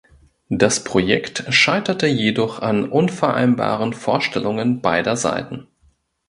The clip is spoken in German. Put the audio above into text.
Das Projekt scheiterte jedoch an unvereinbaren Vorstellungen beider Seiten.